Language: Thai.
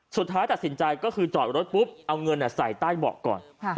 สุดท้ายตัดสินใจก็คือจอดรถปุ๊บเอาเงินใส่ใต้เบาะก่อน